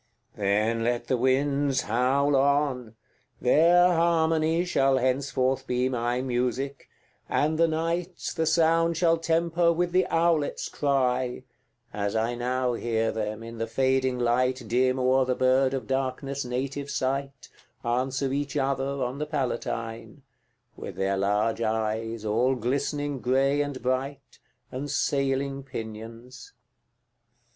CVI. Then let the winds howl on! their harmony Shall henceforth be my music, and the night The sound shall temper with the owlet's cry, As I now hear them, in the fading light Dim o'er the bird of darkness' native site, Answer each other on the Palatine, With their large eyes, all glistening grey and bright, And sailing pinions.